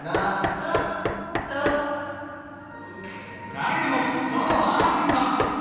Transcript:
誰でも書のアーティスト。